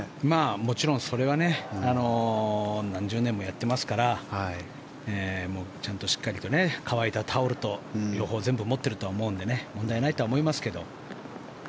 もちろんそれは何十年もやってますからちゃんとしっかりと乾いたタオルと両方全部持っているとは思うので問題ないとは思いますけど。